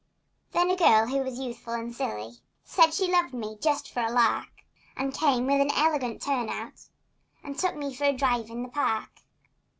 Then a girl who was youthful and silly Made love to me just for a lark, And came with an elegant turnout And took me to drive in the park.